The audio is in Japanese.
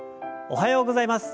おはようございます。